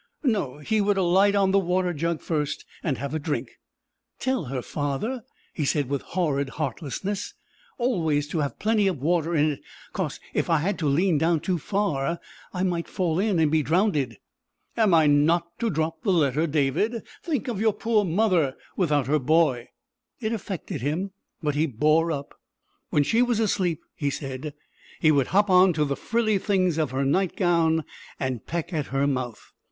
No, he would alight on the water jug first, and have a drink. "Tell her, father," he said with horrid heartlessness, "always to have plenty of water in it, 'cos if I had to lean down too far I might fall in and be drownded." "Am I not to drop the letter, David? Think of your poor mother without her boy!" It affected him, but he bore up. When she was asleep, he said, he would hop on to the frilly things of her night gown and peck at her mouth.